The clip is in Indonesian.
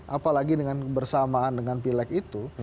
apalagi dengan bersamaan dengan pileg itu